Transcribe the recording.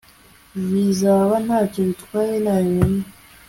Bizaba ntacyo bitwaye nabimenya